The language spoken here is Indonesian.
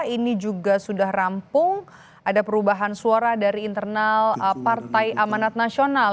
ini juga sudah rampung ada perubahan suara dari internal partai amanat nasional